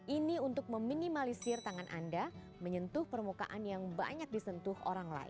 ini untuk meminimalisir tangan anda menyentuh permukaan yang banyak disentuh orang lain